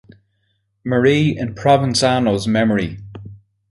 Marie in Provenzano's memory.